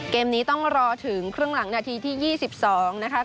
เกมนี้ต้องรอถึงครึ่งหลังนาทีที่๒๒นะคะ